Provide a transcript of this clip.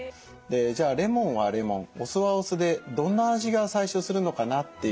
じゃあレモンはレモンお酢はお酢でどんな味が最初するのかなっていう。